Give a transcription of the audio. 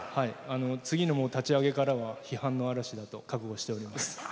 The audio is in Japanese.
次の立ち上げからは批判もある種、覚悟しています。